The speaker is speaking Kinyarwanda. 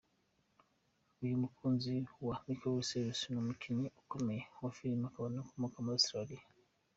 Uyu mukunzi wa Miley Cyrus ni umukinnyi ukomeye w’amafilime akaba akomoka muri Australiya.